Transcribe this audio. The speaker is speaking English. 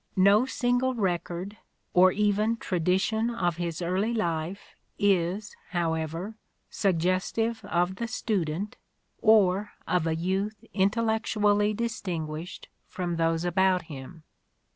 No single record or even tradition of his early life is, however, suggestive of the student, or of a youth intellectually distinguished from those about him.